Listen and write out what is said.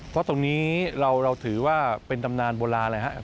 เพราะตรงนี้เราถือว่าเป็นตำนานโบราณเลยครับ